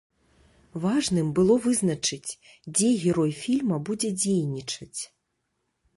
Важным было вызначыць, дзе герой фільма будзе дзейнічаць.